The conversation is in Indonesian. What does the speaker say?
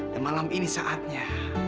dan malam ini saatnya